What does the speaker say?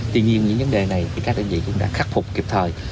tuy nhiên những vấn đề này thì các đơn vị cũng đã khắc phục kịp thời